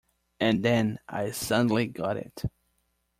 And then I suddenly got it.